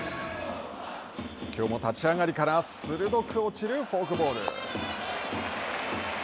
きょうも立ち上がりから鋭く落ちるフォークボール。